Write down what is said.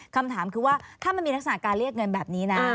คำถามคือว่าถ้ามันมีลักษณะการเรียกเงินแบบนี้นะ